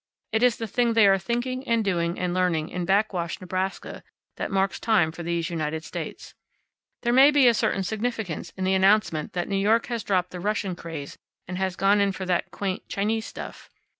It is the thing they are thinking, and doing, and learning in Backwash, Nebraska, that marks time for these United States. There may be a certain significance in the announcement that New York has dropped the Russian craze and has gone in for that quaint Chinese stuff.